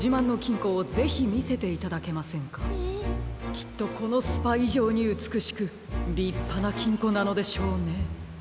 きっとこのスパいじょうにうつくしくりっぱなきんこなのでしょうね。